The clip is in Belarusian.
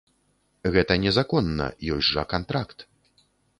Гэта незаконна, ёсць жа кантракт.